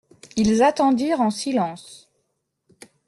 Ils attendirent en silence.